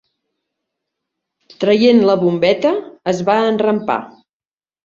Traient la bombeta es va enrampar.